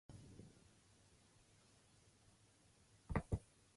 The current Acting United States Attorney is Alana Robinson.